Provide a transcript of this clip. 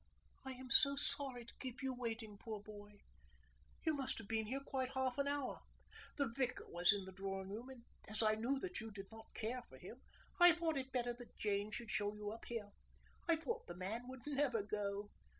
"I am so sorry to keep you waiting. Poor boy, you must have been here quite half an hour! The vicar was in the drawing room, and, as I knew that you did not care for him, I thought it better that Jane should show you up here. I thought the man would never go!"